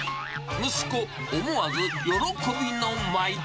息子、思わず喜びの舞。